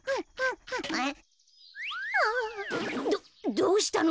どどうしたの？